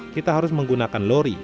kita harus menggunakan lori